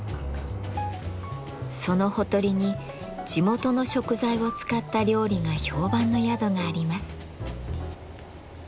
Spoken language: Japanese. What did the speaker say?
そのほとりに地元の食材を使った料理が評判の宿があります。